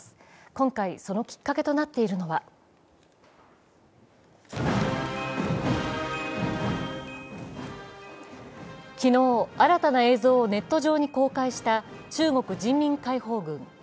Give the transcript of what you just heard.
今回、そのきっかけとなっているのは昨日、新たな映像をネット上に公開した中国人民解放軍。